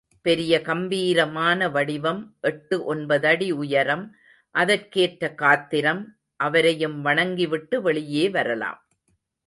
பெரிய கம்பீரமான வடிவம், எட்டு ஒன்பதடி உயரம், அதற்கேற்ற காத்திரம், அவரையும் வணங்கிவிட்டு வெளியே வரலாம்.